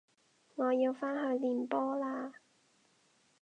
我要返去練波喇